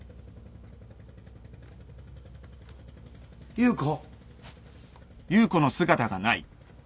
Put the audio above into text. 優子。